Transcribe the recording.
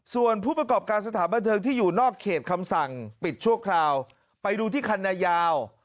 ส่วนผู้ประกอบการสถานบันเทิงที่อยู่นอกเขตคำสั่งปิดชั่วคราวไปดูที่คันนายาว